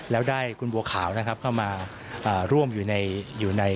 แล้วได้คุณบัวขาวนะครับเข้ามาร่วมอยู่ในอยู่ใน